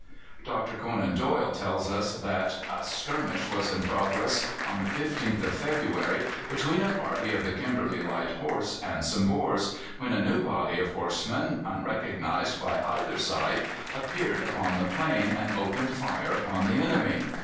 Dr. Conan Doyle tells us that "a skirmish was in progress on the 15th of February between a party of the Kimberley Light Horse and some Boers, when a new body of horsemen, unrecognized by either side, appeared upon the plain, and opened fire upon the enemy.